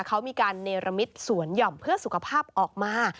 เขามีการเนรมิตสวนหย่อมเพื่อสุขภาพออกมา